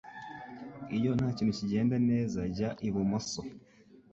Iyo nta kintu kigenda neza, jya ibumoso.